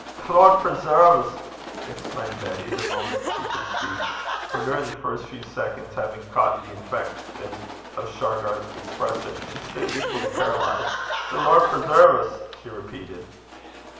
'The Lord preserve 's!' exclaimed Betty, the moment she could speak; for during the first few seconds, having caught the infection of Shargar's expression, she stood equally paralysed. 'The Lord preserve 's!' she repeated.